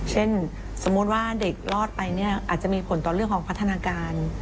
สมมุติว่าเด็กรอดไปเนี่ยอาจจะมีผลต่อเรื่องของพัฒนาการ